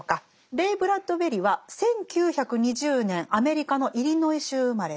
レイ・ブラッドベリは１９２０年アメリカのイリノイ州生まれです。